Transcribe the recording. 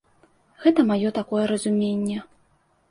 Гэта маё такое разуменне.